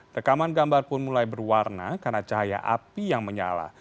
rekaman gambar pun mulai berwarna karena cahaya api yang menyala